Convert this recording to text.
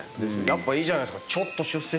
やっぱいいじゃないっすか。